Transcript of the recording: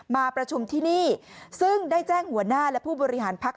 มาประชุมที่นี่ซึ่งได้แจ้งหัวหน้าและผู้บริหารพัก